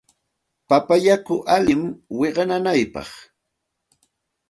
Papa yaku allinmi wiqaw nanaypaq.